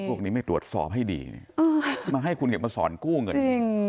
พวกนี้ไม่ตรวจสอบให้ดีมาให้คุณเข็มมาสอนกู้เงิน